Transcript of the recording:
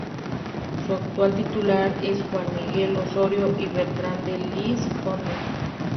Su actual titular es Juan Miguel Osorio y Bertrán de Lis, conde.